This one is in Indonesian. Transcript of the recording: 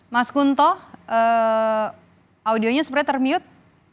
mas kunto audionya sebenarnya termute